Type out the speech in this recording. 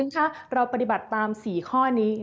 คะเราปฏิบัติตาม๔ข้อนี้